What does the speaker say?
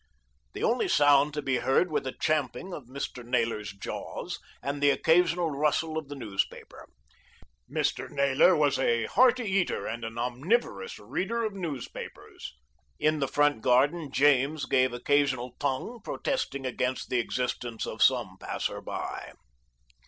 The only sound to be heard were the champing of Mr. Naylor's jaws, and the occasional rustle of the newspaper. Mr. Naylor was a hearty eater and an omnivorous reader of newspapers. In the front garden James gave occasional tongue, protesting against the existence of some passer by.